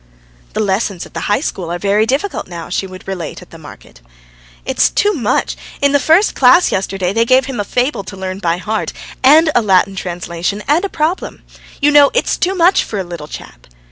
"The lessons at the high school are very difficult now," she would relate at the market. "It's too much; in the first class yesterday they gave him a fable to learn by heart, and a Latin translation and a problem. You know it's too much for a little chap."